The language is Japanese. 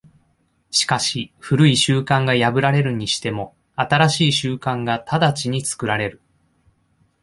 しかし旧い習慣が破られるにしても、新しい習慣が直ちに作られる。